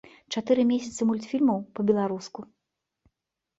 Чатыры месяцы мультфільмаў па-беларуску!